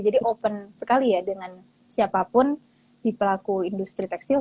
jadi open sekali ya dengan siapapun di pelaku industri tekstil